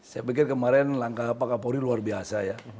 saya pikir kemarin langkah pak kapolri luar biasa ya